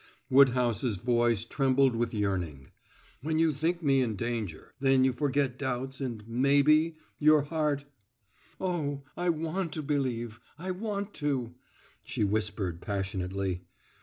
Woodhouse's voice trembled with yearning. "When you think me in danger, then you forget doubts and maybe your heart " "Oh, I want to believe I want to!" she whispered passionately.